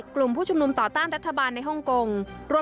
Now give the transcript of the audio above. กลุ่มผู้ชุมนุมต่อต้านรัฐบาลในฮ่องกง